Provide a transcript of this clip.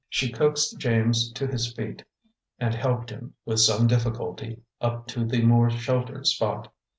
She coaxed James to his feet and helped him, with some difficulty, up to the more sheltered spot.